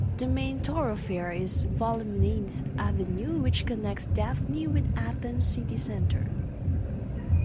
The main thoroughfare is Vouliagmenis Avenue, which connects Dafni with Athens city centre.